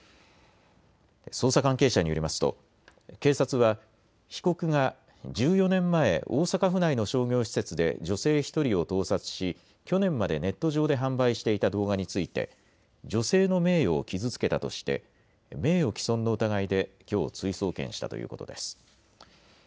捜査関係者によりますと警察は被告が１４年前、大阪府内の商業施設で女性１人を盗撮し去年までネット上で販売していた動画について女性の名誉を傷つけたとして名誉毀損の疑いできょう追送検したということです。